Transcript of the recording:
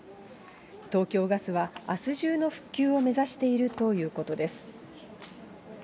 東京ガスは、あす中の復旧を目指しているということです。